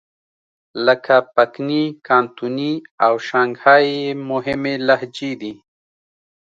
لکه پکني، کانتوني او شانګهای یې مهمې لهجې دي.